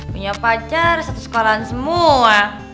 punya pacar satu sekolahan semua